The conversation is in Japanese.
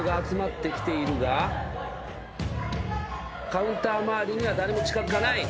カウンター周りには誰も近づかない。